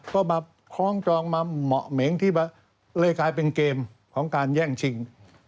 ก็มาคล้องจองมาเหมาะเหม็งที่เลยกลายเป็นเกมของการแย่งชิง